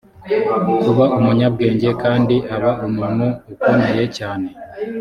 kuba umunyabwenge kandi aba umuntu ukomeye cyane